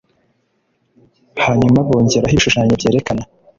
hanyuma bongereho ibishushanyo byerekana